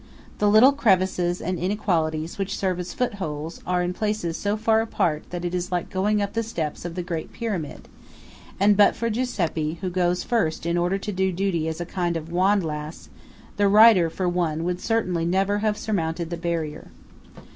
The little crevices and inequalities which serve as foot holes are in places so far apart that it is like going up the steps of the Great Pyramid; and but for Giuseppe, who goes first in order to do duty as a kind of windlass, the writer, for one, would certainly never have surmounted the barrier.